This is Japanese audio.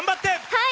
はい！